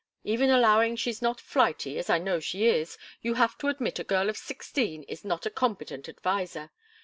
Even allowing she's not flighty, as I know she is, you have to admit a girl of sixteen is not a competent adviser.